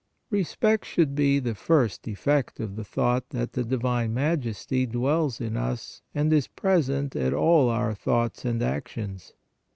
Respect should be the first effect of the thought that the Divine Majesty dwells in us and is present at all our thoughts and actions.